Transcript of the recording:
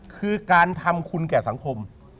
คือการทำคุณแก่สังคม